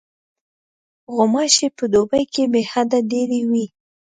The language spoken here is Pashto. غوماشې په دوبي کې بېحده ډېرې وي.